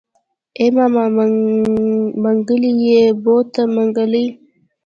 ای ماما منګلی يې بوته منګلی.